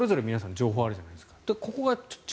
情報あるじゃないですか。